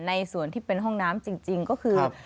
ในส่วนที่เป็นห้องน้ำจริงก็คือ